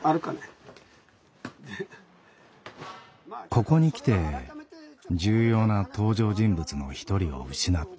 ここに来て重要な登場人物の一人を失った。